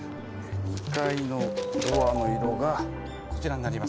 ２階のドアの色がこちらになりますね。